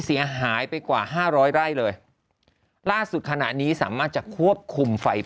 เสียหายไปกว่าห้าร้อยไร่เลยล่าสุดขณะนี้สามารถจะควบคุมไฟ